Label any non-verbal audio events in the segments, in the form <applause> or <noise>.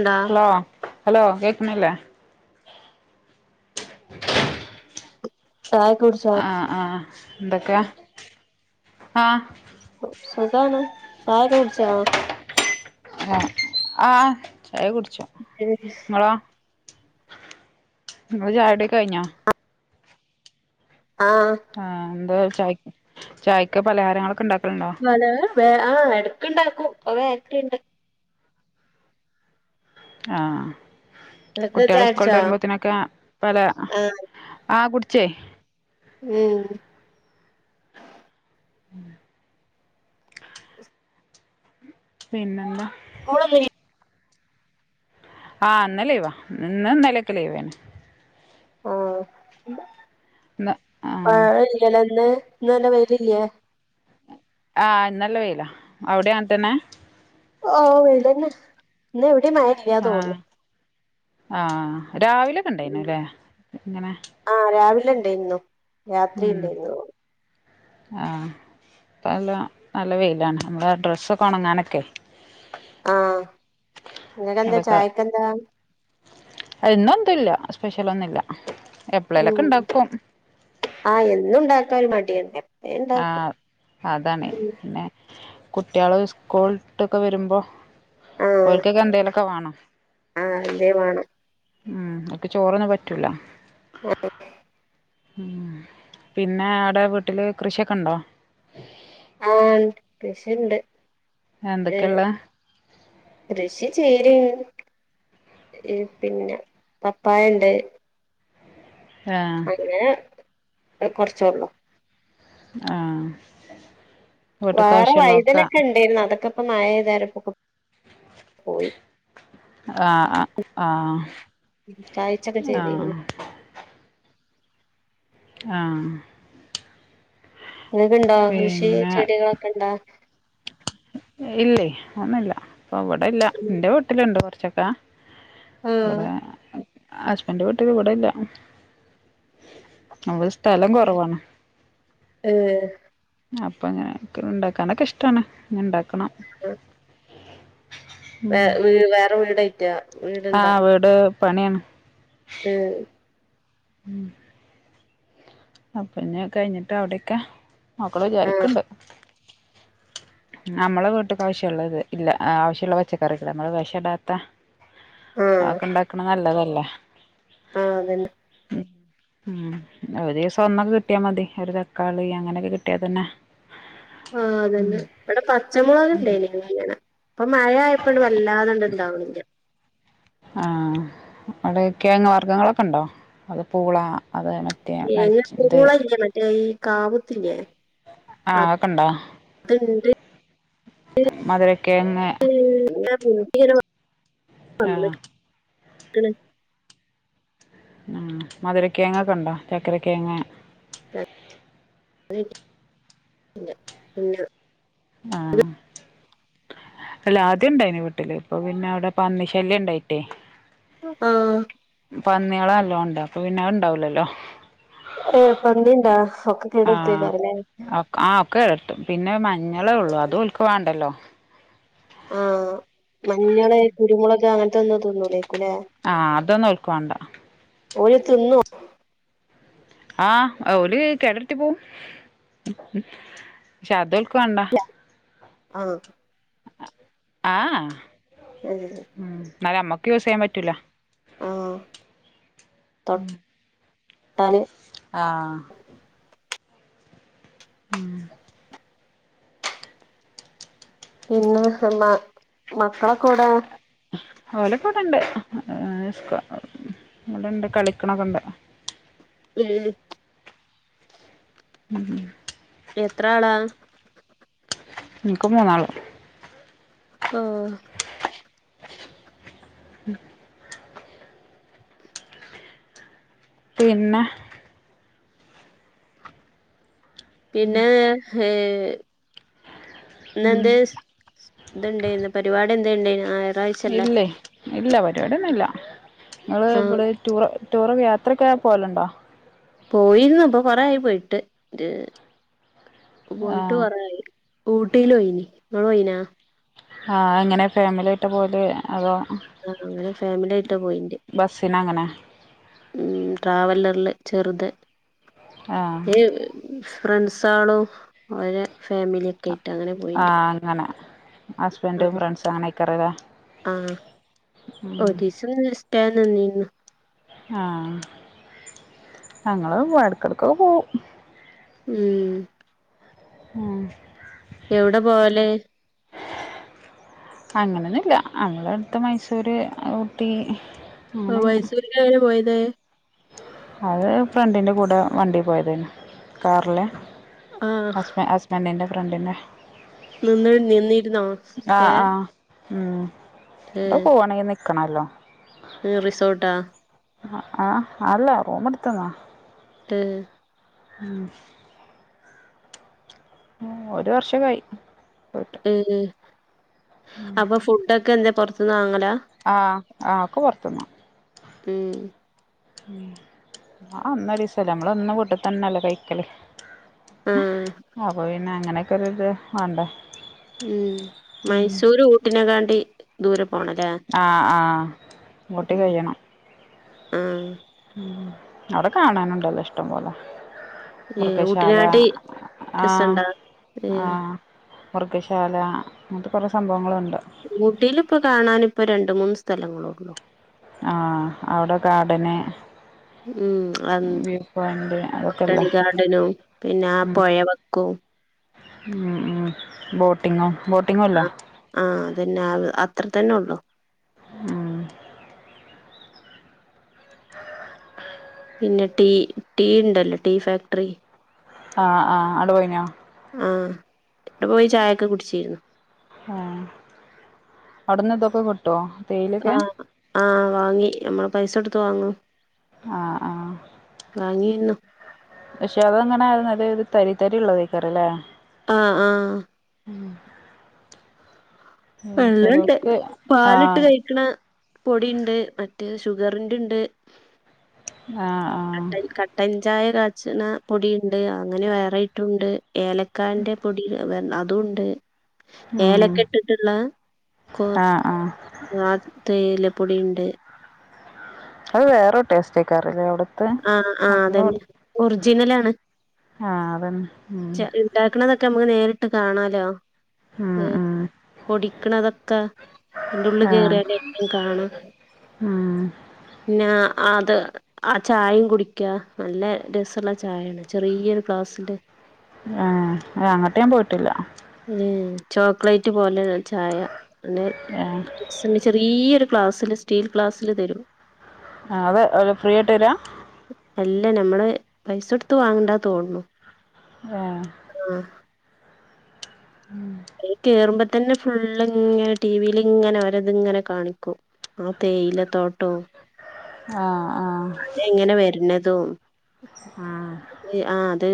ണ്ടാ hello hello കേൾക്കുന്നില്ലേ ചായ കുടിച്ചോ ആഹ് ആഹ് എന്തൊക്കെ ആഹ് സു സുഖാണ് സായ ഒക്കെ കുട്ച്ച ആ ആഹ് അത് കുട്ച്ചു ങ്ങളോ ഇങ്ങളെ ചായുടി ഒക്കെ കൈഞ്ഞ ആഹ് ആഹ് എന്ത് ചായിക്ക് ചായ്ക്ക് പലഹാരങ്ങളൊക്കെ ഉണ്ടാക് വലെ വെ ആ എടക്ക്ണ്ടാക്കും അഅ് വെരട്ടിണ്ടാ ആ ഇങ്ങള് കുട്ട്യള് സ്കൂൾ ചായുടിച്ചോ ട്ടെരുമ്പോത്തിനൊക്കെ പല ആഹ് ആ കു ച്ച് ഉം പിന്നെന്താ <unintelligible> ആ ഇന്ന് ലീവാ ഇന്ന് ഇന്നലൊക്കെ ലീവേനി ഓ ന്ന ആ ഇന്ന് ഇന്ന് നല്ല വെയിലില്ല്യേ ആ ഇന്നല്ലവെയ്ലാ അവടി അങ്ങൻതന്നെ ഓ വെയ്ലെന്നെ എന്ന ടിം മഴ ല്ല്യാ തോന്ന്നു ആ രാവിലൊക്കെണ്ടാ യ്നില്ലെ ഇങ്ങനെ ല്ണ്ടേര്ന്നു രാത്രി ഇണ്ടേയിര്ന്നോ ആ ഇപ്പല്ലാം നല്ല വെയിലാണ് നമ്മളെ ഡ്രസ്സൊക്കൊ ഉണങ്ങാനൊക്കെ ആഹ് ഇങ്ങക്കെന്താ ചായക്കെന്താ ഇന്നെന്തുല്ല സ്പെഷ്യലൊന്നുല്ല എപ്പളേലൊക്കെ ഉം ഇണ്ടാക്കും ആ എന്നുണ്ടാ ഒരു മടിയെന്നെ ആഹ അതാണ് പിന്നെ കുട്ട്യാള് സ്കൂളുട്ടൊക്കെ വരുമ്പോ ഓൽക്കൊക്കെ എന്തേലൊക്കെ വാണം ആ എന്തേ മാണം ഉം ഓക്ക് ചോറൊന്നും പറ്റൂല ആ ഉം പിന്നെ ആടെ വീട്ടില് കൃഷിയൊക്കെ ണ്ടോ ആ ണ്ട് കൃഷിണ്ട് അ് എന്തൊക്കെള്ളെ കൃഷി ചെയ് ര് പിന്നെ പപ്പായണ്ട് ആ കൊർച്ചോള്ളൂ ആ വേറെ വൈതനൊക്കെ ണ്ടേയിര്ന്നു അതൊക്കെ ഇപ്പൊ മായേതാരപൊക്കം ആ അ ആ കായ്ചൊക്കെ ചെയതേരുന്നു ആ അതൊക്കെ ഇണ്ടോ കൃഷി ചെടികളൊക്കെ ഇണ്ട ഇല്ലേ ആമില്ല അപ്പൊ അവിടെ ഇല്ല ഇന്റെ വീട്ടിലെണ്ട് കുറ ചക്ക ആഹ് ഇവടെ ഹസ്ബൻഡ് വീട്ട് ഇവിടെ ഇല്ല <unintelligible> സ്ഥലം കൊറവാണ് ഏഹ് അപ്പൊ അങ്ങനെ ഇണ്ടാക്കാനൊക്കെ ഇഷ്ട്ടാണ് ഇണ്ടാക് വേ വീ വേറെ വീട് റ്റ ആ വീടിണ്ടാ വീട് പണിയാണ് ഉം ഉം അ പിന്നെ കഴിഞ്ഞിട്ട് അവിടെക്ക മക്കള് ആഹ് വിചാരിക്കണ്ട് നമ്മള വീട്ടക്ക് ആവശ്യള്ളത് ഇല്ല ആവശ്യമുള്ള പച്ചക്കറികള് നമ്മള് വെഷിടാത്ത ആ എക്കെ ഇണ്ടാക്കണത് നല്ലത ഇല്ല ആ അതന്നെ ഉം അവരേസ് പൊന്നൊക്കെ കിട്ടിയാ മതി ഒരു തക്കാളി അങ്ങനെയൊക്കെ കിട്ടിയാ തന്നെ ആ അതന്നെ ഇവിടെ പച്ചമുളക് ഇല്ലേന അങ്ങന അപ്പൊ മഴ ആയപ്പോഴണ്ട് വല്ലാതണ്ട് ഇണ്ടാവണില്ല ആ അവിടെ കിഴങ്ങ് വർഗങ്ങളൊക്കെ ഉണ്ടോ അത് പൂള അത് മറ്റേ <unintelligible> മരച്ചി ഇത് പൂളായില്ല മറ്റേ ഈ കാവത്തില്ലേ അ തിണ്ട് മധുരകെഴങ്ങ് ഉം <unintelligible> ആഹ് <unintelligible> ഉം മധുര കേങ്ങൊക്കെ ഇണ്ടോ ചക്കരക്കേങ്ങ് <inaudible> ആഹ് അല്ല ആദ്യ ഇണ്ടായ്നു വീട്ടില് ഇപ്പൊ പിന്നെ അവിടെ പന്നി ശല്യം ഇണ്ടായിട്ടേ ആ പന്ന്യോളല്ലോംണ്ട് അപ്പൊ പിന്നെ അഅ് ഇണ്ടാവൂലല്ലോ ഏ പന്നിണ്ടാ ഒക്കെ ആഹ് കേടെടുത്തേക്കാരല്ലേ ആ ഒക്കെർ പിന്നെ മഞ്ഞളേ ഒള്ളൂ അതോൽക്ക് വാണ്ടലോ ആഹ് മഞ്ഞള് കുരുമുളക് അങ്ങനത്തെ ഒന്നും തിന്നുലെ ആഹ് അതൊന്നും ഓൽക്ക് വാണ്ട ഓല് തിന്നോ ആഹ് ഓല് കേടരത്തി പോവും ക്ഷെ അത് ഓൽ ല്ല ആ ആ ഏ ഇന്നാല് നമ്മക്ക് യൂസ് ചെയ്യാൻ പറ്റൂല <inaudible> ആഹ് ട്ടാല് ആഹ് ഉം പിന്നെ അമ്മ മക്കളൊക്കെ ഓടെ സ്ക ഇവിടെണ്ട് കളിക്കണക്കെ ഇണ്ട് ഏ ഉം എത്ര ആളാ ഇൻക്ക് മൂന്നാള് ക്കോ <inaudible> പിന്നെ പിന്നെ ഏ ഉം ഇന്നെന്ത് സ് തെന്തെന്നു പരിവാ തെന്തെയ്ണ്ടേന്നാ ആ എർ ഇല്ലേ ഇല്ല പരിപാടിയൊന്നുല്ല ഇങ്ങള് ആഹ് ഇവിടെ ടൂറ് ടൂറ് യാത്രക്കെ പോവല്ണ്ടോ പോയിര്ന്നു ഇപ്പൊ കൊറേ ആയി പോയിട്ട് ഒര് പോയിട്ട് ആഹ് കൊറായി ഊട്ടിയില് പോയിനി. ങ്ങള് പോയിനാ ആ എങ്ങനെ ഫാമിലിയിട്ട് പോവല് അതോ- ആ അങ്ങനെ ഫാമിലി ആയിട്ടാ പോയിന്റെ ബസ്സിന് അങ്ങനെ ഉം ട്രാവലറില് ചെറുത് ആഹ് <unintelligible> ഫ്രണ്ട്സ് ആളും അവര് ഫാമിലി ഒക്കെ ആയി ആഹ് അങ്ങനെ ഹസ്ബൻ്റും ആഹ് ഫ്രണ്ട്സും അങ്ങനെയ്ക്കാരം ലേ ആഹ് ൻ്റെ നിന്നീനു ആഹ് ഞങ്ങള് എടക്കെടക്കൊക്കെ പോവും ഉം ഉം എവിടെ പോവല് അങ്ങനൊന്നില്ല അങ്ങളെ അട്ത്ത് മൈസൂര് ഊട്ടി ആ അങ്ങനെല്ല മൈസൂര്ക്കങ്ങനെ പോയത്- തേ അത് ഫ്രണ്ടിന്റെ കൂടെ വണ്ടി പോയതേനി കാർല്- ഹസ്ബെ ഹസ്ബന്റിൻ്റെ ഫ്രണ്ട്ന്നെ- നിന്നി നിന്നിരുന്നോ ആഹ് സ്റ്റാൻ- ആഹ് ഉം പ്പപോവാണെ നി ക്കണല്ലോ റിസോട്ടാ- ആഹ് അല്ല റൂമ്ട്ത്തതാ ഏഹ് ഉം ഉം ഒരു വർഷൊകിയി ഏ അപ്പൊ ഫുഡ ഒക്കെ എന്താ പൊർത്ത്- ത്ത്ന്ന് വാങ്ങ ആഹ് ആഹ് ഒക്കെ പൊർത്ത്ന്ന- ഏഹ് ഉം ആ അന്നൊരീസല്ലെ നമ്മള് എന്നും വീട്ട്തന്നെല്ലെ കൈക്കല്- ആഹ് അപ്പ പി പിന്നെ അങ്ങനെയൊക്കെ ഒരുത് വാണ്ടേ മ്മ് മൈസൂര് ഊട്ടിനെകാണ് ട്ടി ദൂര ആ ആ മട്ടിക ചെയ്യണം ആ അവിട കാണാനുണ്ടല്ലോ ഇഷ്ടം പോലെ ഏ മൃഗശാല ഊട്ടിനാട്ടി ആഹ് രസണ്ട ഏ ആഹ് മൃഗശാല അങ്ങനത്തെ കുറെ സംഭവങ്ങളുണ്ട് ഊട്ടിയില് ഇപ്പ കാണാന് ഇപ്പ രണ്ട് മൂന്ന് സ് തലങ്ങളോള്ളൂ ആ അവിട കാടന്നെ ഉം അ അതൊക്കെല്ലേ മുട്ടണിഗാർഡനും പിന്നെ ഉം പൊയവക്കും ഉം ബോട്ടിങ്ങും ബോട്ടിങ്ങും ആ ഇല്ലേ ആ അതന്നെ അവ് അ അത്ര തന്നെ ഉള്ളു ഉം പിന്നെ ടീ ടീ ഉണ്ടല്ലോ ടീ ഫാക്ട്രി ആ ആ അവടെ പോയിനാ ആഹ വിടെ പോയി ചായൊക്കെ കുടിച്ചിരുന്നു ആ അവിടന്ന് ഇതൊക്കെ കിട്ടോ ആ ആ വാങ്ങി നമ്മള പൈസടുത്തു വാങ്ങും ആ ആ വാങ്ങിയിരുന്നു പക്ഷെ അതങ്ങനയിരുന്നുത ഒരു തരി തരി ഉള്ളതക്കാറ അല്ലേ ആ ആ ഉം വെള്ളണ്ട് ചിലർക്ക് പാലിട്ട് ആഹ് കഴിക്കണ പൊടിണ്ട് മറ്റ മറ്റേ ഷുഗറിന്റണ്ട് ആ ആ ചായ കാച്ചണ പൊടി ഉണ്ട് അങ്ങനെ വേറെ ഇട്ടൂടെ ഏലക്കാന്റെ പൊടി തുണ്ട് ഉം ഏലക്കെ ഇട്ടിട്ടുള്ള കൊ ആഹ് ആഹ് ആ തെയില പ്പടെയുണ്ട് അത് വേറെ ടേസ്റ്റ് ആക്കാറില്ലേ വിടെ ആ ആ അതന്നെ ഒറിജിനലാണ് ആഹ് അതന്നെ ഉം ഇണ്ടാക്കണത് നമ്നേരിട്ട് കാണാലോ ഉം ഏ ഉം പൊടിക്കണതൊക്ക അയ്ന്റുള്ള് ആഹ് കേയറിയ <unintelligible> കാണാം ഉം പിന്നാ ആത് ആർ ആ ചായും കുടിക്കാ നല്ല രസുള്ള ചായയാണ് ചെറിയൊരു ഗ്ലാസ്സിന്റെ ആ അങ്ങട്ട് ഞാൻ പോയിട്ടില്ല. ഉം ചോക്ലേറ്റ് പോലെ ചായ ഏഹ് <unintelligible> ചെറിയൊരു ഗ്ലാസിൽ സ്റ്റീൽ ഗ്ലാസില് തരും ആതെ ഒരു ഫ്രീകിട്ടീലാ? അല്ല നമ്മള് പൈസൊടുത്ത് വാങ്ങണ്ട തോൺണു. ആ <unintelligible> കേറു തന്നെ ഫുൾളിങ്ങനെ ടീവീലിങ്ങനെ അവരതിങ്ങനെ കാണിക്കും ആ തേയില തോട്ടോം ആ ആ എങ്ങനെ വരിണ്ണതും ആഹ് അത് ആ അത്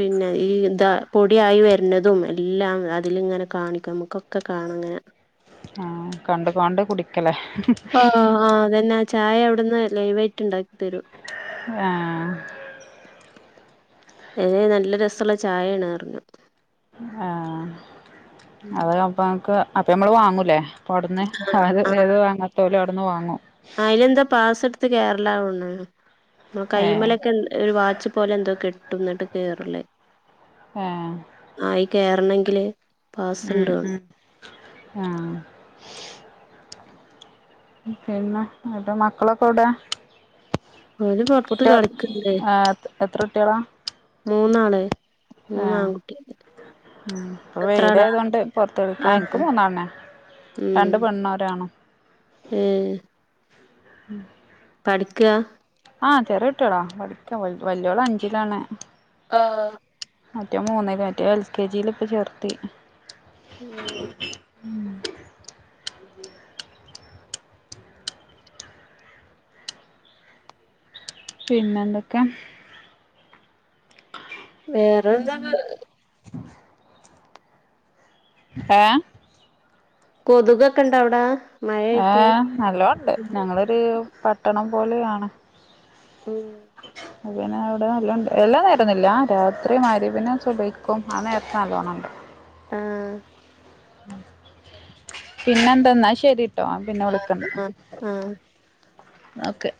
പിന്നെ ഈന്താ പൊടിയായി വരുന്നതും എല്ലാം അതിൽ ഇങ്ങനെ കാണിക്കും നമുക്കൊക്കെ കാണാങ്ങനെ. ആ കണ്ട്കോണ്ട് കുടിക്കലേ ആ ആ അതെന്നെ ചായ അവിടുന്ന് ലൈവായിട്ട് ഉണ്ടാക്കി തരും. ആ ഏയ് നല്ല രസമുള്ള ചായയാണ് അറിഞ്ഞു. അത്‌ അപ്പമ്മക്ക് അപ്പ ഞമ്മള് വാങ്ങൂലേ പൊടുന്നേ അത് ഏത് വാങ്ങാത്ത <unintelligible> പെട്ടന്ന് വാങ്ങും അതിനെന്താ പാസ ത്ത് കേരള ഊണ് ഏഹ് കൈമേലൊക്കെ ഒരു വാച്ച് പോലെ എന്തോ കെ ട്ടും എന്നിട്ട് കേറൂല്ലേ ഏ കേറണങ്കില് ഉം ഉം ആ പിന്നെ അന്റെ മക്കളൊക്കെ എവിടേ ഓല് പൊറത്ത് കളിക്കുന്നുണ്ടേ എത്ര കുട്ടികളാ മൂന്നാള് ആഹ് മൂന്നാൺകുട്ടി ഉം ഇപ്പൊ എത്രാളാ വെയിലായതോണ്ട് പൊറത്തെവ് ഇൻക്ക് ആഹ് മൂന്നാളന്നെ ഉം രണ്ട് പെണ്ണും ഒരാണും ഏഹ് ഉം പഠിക്കാ ആഹ് ചെറിയുട്യോളാ പഠിക്ക വല്യോള അഞ്ചിലാണ് ആഹ് മറ്റോ മൂന്നില മറ്റേ എൽ, കെ, ജീല്‌ പ്പം ചേർത്തി ഉം ഉം പിന്നെന്തൊക്കെ വേറെന്താ <unintelligible> പാ കൊതുകൊക്കെണ്ടവ്ടാ ആഹ് നല്ലോണ്ട്. ഞങ്ങളൊര് പട്ടണം പോലെയാണ് ഉം അതെന്നെ അവിടെ നല്ലണ്ട്. എല്ലാം നേരൊന്നില്ലാ രാത്രി മഗ് രിബിനും സുബയ്ക്കും ആ നേരത്താണലോ നല്ലോ ആഹ് പിന്നെന്താ ന്നാശരി ട്ടോ ആ പിന്നെ ആഹ് വിളിക്കണ്ട് ആഹ് ആഹ് ന്നഓക്കെ